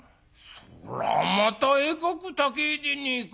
「そらまたえかく高えでねえか。